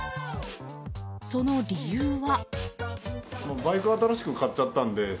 その理由は。